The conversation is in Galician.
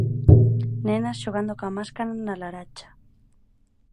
Nenas xogando coa máscara na Laracha.